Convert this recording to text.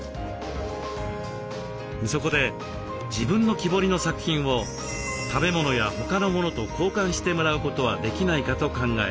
そこで自分の木彫りの作品を食べ物や他の物と交換してもらうことはできないかと考え